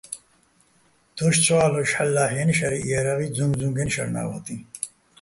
დოშ ცო ა́ლ'ოშ ჰ̦ალო̆ ლა́ჰ̦დიენი̆ შარიჼ იარაღი, ძუჼგძუჼგაჲნო̆ შარნა́ ვატიჼ.